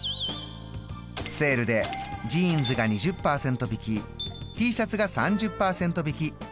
セールでジーンズが２０％引きＴシャツが３０％引き。